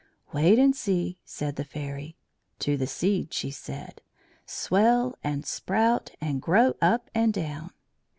"Wait and see," said the Fairy. To the seed she said: "Swell and sprout and grow up and down."